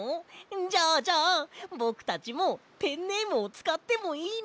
じゃあじゃあぼくたちもペンネームをつかってもいいの？